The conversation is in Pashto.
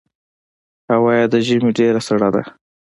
هوا یې د ژمي ډېره سړه ده.